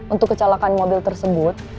untuk kecelakaan mobil tersebut